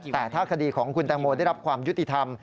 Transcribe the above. แต่ถ้าคดีของคุณแตงโมได้รับความยุติธรรม